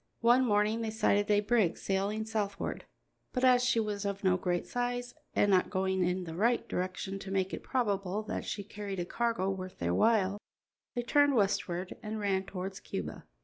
One morning they sighted a brig sailing southward, but as she was of no great size and not going in the right direction to make it probable that she carried a cargo worth their while, they turned westward and ran towards Cuba.